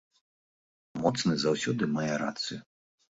Моцны заўсёды мае рацыю.